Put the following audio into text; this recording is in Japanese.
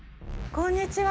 こんにちは。